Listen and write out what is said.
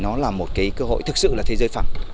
nó là một cái cơ hội thực sự là thế giới phẳng